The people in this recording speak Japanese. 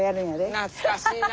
懐かしいな。